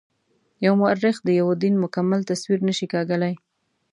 یو مورخ د یوه دین مکمل تصویر نه شي کاږلای.